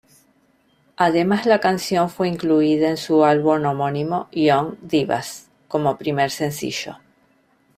Además la canción fue incluida en su álbum homónimo "Young Divas", como primer sencillo.